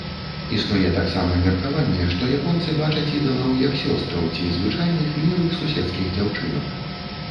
Існуе таксама меркаванне, што японцы бачаць ідалаў як сёстраў ці звычайных мілых суседскіх дзяўчынак.